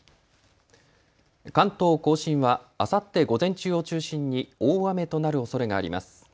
関東甲信はあさって午前中を中心に大雨となるおそれがあります。